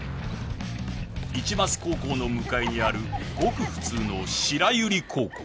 ［市松高校の向かいにあるごく普通の白百合高校］